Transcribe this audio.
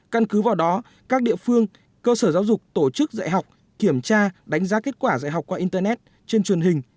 căn cứ vào đó các địa phương cơ sở giáo dục tổ chức dạy học kiểm tra đánh giá kết quả dạy học qua internet trên truyền hình